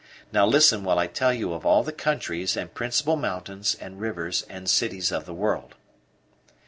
Now listen while I tell you of all the countries, and principal mountains, and rivers, and cities of the world."